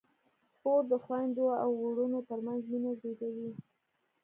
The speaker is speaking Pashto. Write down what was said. خور د خویندو او وروڼو ترمنځ مینه زېږوي.